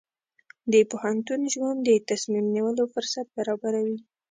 د پوهنتون ژوند د تصمیم نیولو فرصت برابروي.